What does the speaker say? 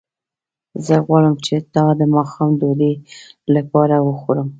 زه غواړم چې تا د ماښام ډوډۍ لپاره وخورم